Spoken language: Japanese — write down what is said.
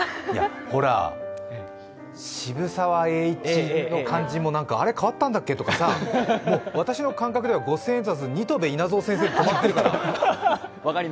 ほら、渋沢栄一の漢字も、あれっ、変わったんだっけとか私の感覚、五千円札、新渡戸稲造先生で止まってるから。